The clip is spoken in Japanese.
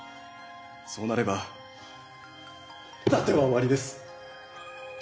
そうなれば伊達は終わりです。